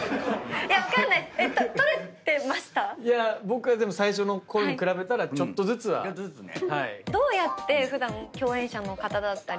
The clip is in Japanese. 僕はでも最初のころに比べたらちょっとずつは。趣味。